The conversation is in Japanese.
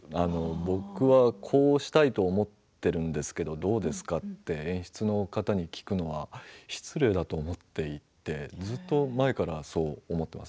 僕はこうしたいと思っているんですけどどうですか？という演出の方に聞くのは失礼だと思っていてずっと前からそう思っています。